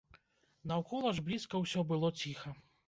Наўкола ж блізка ўсё было ціха.